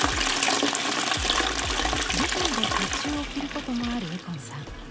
舞台で甲冑を着ることもある右近さん。